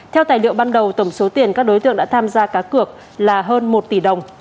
theo tài liệu ban đầu tổng số tiền các đối tượng đã tham gia cá cược là hơn một tỷ đồng